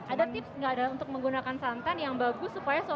ada tips nggak untuk menggunakan santan yang bagus supaya soknya enak